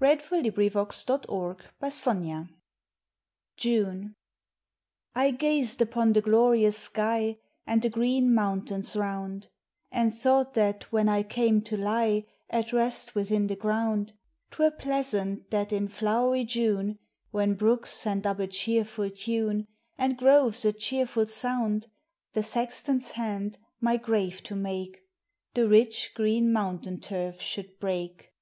ANDREW M iRVELt 102 POEMti OF XATURE. JUNE. I gazed upon the glorious sky, And the green mountains round, And thought that when I came to lie At rest within the ground, 'T were pleasant that in flowery June, When brooks send up a cheerful tune, And groves a cheerful sound, The sextoms hand, my grave to make, The rich, green mountain turf should break.